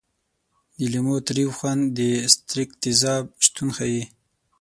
د لیمو تریو خوند د ستریک تیزاب شتون ښيي.